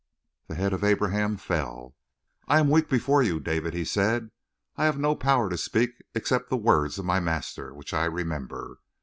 The head of Abraham fell. "I am weak before you, David," he said. "I have no power to speak except the words of my master, which I remember.